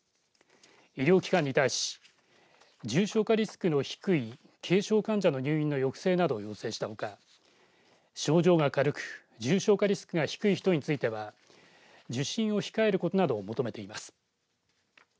医療機関に対し重症化リスクの低い軽症患者の入院の抑制などを要請したほか症状が軽く重症化リスクが低い人については受診を控えることなどを求めています。